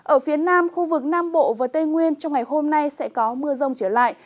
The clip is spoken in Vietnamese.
ở phía nam khu vực nam bộ và tây nguyên trong ngày hôm nay sẽ có mưa rông trở lại